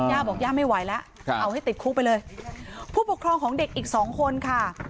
ย่าบอกย่าไม่ไหวแล้วเอาให้ติดคุกไปเลยผู้ปกครองของเด็กอีกสองคนค่ะ